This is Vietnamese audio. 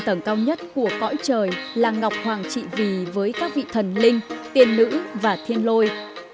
tín ngưỡng lâu nhất của cõi trời là ngọc hoàng trị vì với các vị thần linh tiên nữ và thiên lôi